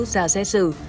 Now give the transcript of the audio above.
ra xét xử